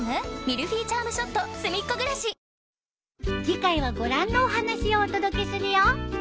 次回はご覧のお話をお届けするよ。